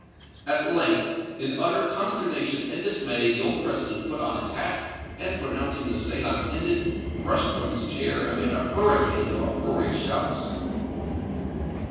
At length, in utter consternation and dismay the old President put on his hat, and, pronouncing the séance ended, rushed from his chair amid a hurricane of uproarious shouts."